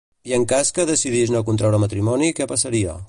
I en cas que decidís no contreure matrimoni, què passaria?